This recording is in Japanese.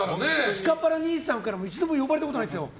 スカパラ兄さんからも一度も呼ばれたことないんですよ。